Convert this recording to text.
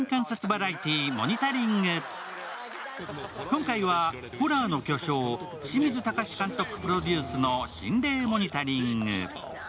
今回はホラーの巨匠、清水崇監督プロデュースの心霊モニタリング。